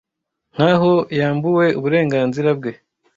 nkaho yambuwe uburenganzira bwe